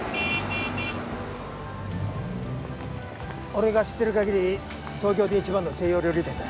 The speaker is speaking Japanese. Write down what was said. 俺が知ってる限り東京で一番の西洋料理店だ。